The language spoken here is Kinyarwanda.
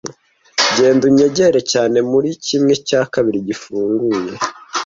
genda unyegere cyane muri kimwe cya kabiri gifunguye